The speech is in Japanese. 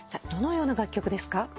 どのような楽曲ですか？